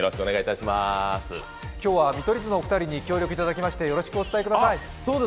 今日は見取り図のお二人に協力いただきまして、よろしくお伝えください。